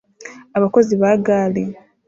Abakozi ba gar